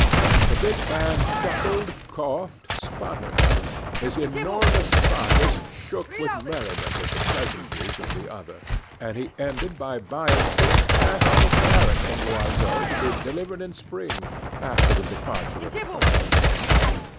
The big man chuckled, coughed, sputtered; his enormous carcass shook with merriment at the pleasantries of the other; and he ended by buying six casks of claret from Loiseau to be delivered in spring, after the departure of the Prussians.